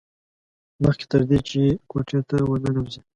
مخکې تر دې چې کوټې ته ور ننوځي.